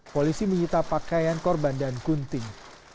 polisi menyita pakaian korban dan gunting